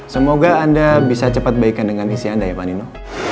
semoga anda bisa cepat baikan dengan isi anda ya pak nino